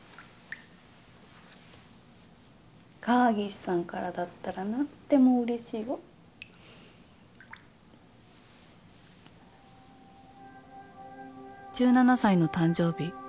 河岸さんからだったらなんでもうれしいよ １７ 歳の誕生日。